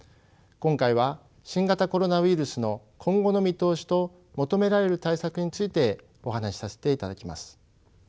今回は新型コロナウイルスの今後の見通しと求められる対策についてお話しさせていただきます。